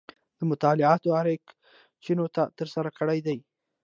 دا مطالعات اریکا چینوت ترسره کړي دي.